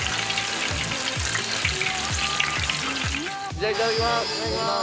じゃあいただきます！